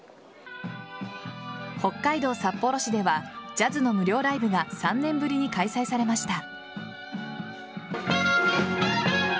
北海道札幌市ではジャズの無料ライブが３年ぶりに開催されました。